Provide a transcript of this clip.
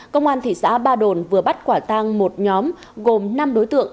công an thị xã ba đồn vừa bắt quả tang một nhóm gồm năm đối tượng